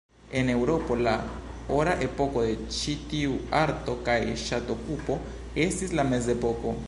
En Eŭropo la ora epoko de ĉi tiu arto kaj ŝatokupo estis la mezepoko.